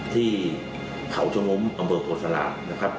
ที่เขาชมมอำเบิกโทรศาลักษณ์